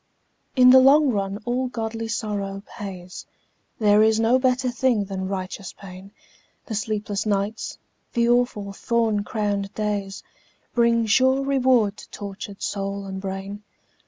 In the long run all godly sorrow pays, There is no better thing than righteous pain, The sleepless nights, the awful thorn crowned days, Bring sure reward to tortured soul and brain.